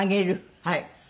はい。